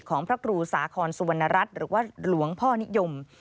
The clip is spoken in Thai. พระครูสาคอนสุวรรณรัฐหรือว่าหลวงพ่อนิยม